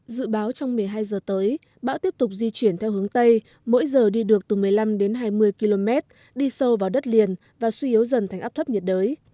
dự báo trong một mươi hai giờ tới bão tiếp tục di chuyển theo hướng tây mỗi giờ đi được từ một mươi năm đến hai mươi km đi sâu vào đất liền và suy yếu dần thành áp thấp nhiệt đới